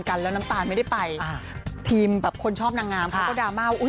กับที่ไม้พี่ดมพร